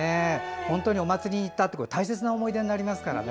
本当にお祭りにいったって大切な思い出になりますからね。